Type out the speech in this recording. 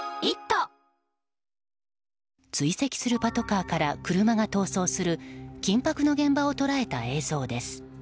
追跡するパトカーから車が逃走する緊迫の現場を捉えた映像です。